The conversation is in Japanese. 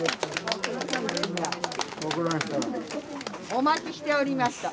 お待ちしておりました。